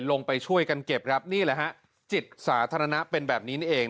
ลงไปช่วยกันเก็บครับนี่แหละฮะจิตสาธารณะเป็นแบบนี้นี่เอง